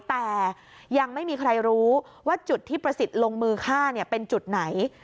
แต่ยังไม่มีใครรู้ว่าจุดที่ประสิทธิ์ลงมือฆ่าเป็นจุดไหน